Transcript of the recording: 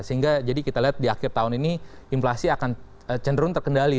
sehingga jadi kita lihat di akhir tahun ini inflasi akan cenderung terkendali